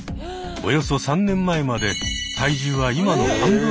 およそ３年前まで体重は今の半分以下でした。